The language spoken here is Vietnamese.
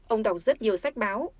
ông đọc rất nhiều sách báo